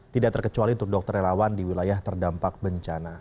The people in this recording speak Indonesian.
tidak terkecuali untuk dokter relawan di wilayah terdampak bencana